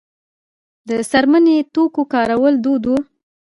د څرمي توکو کارول دود و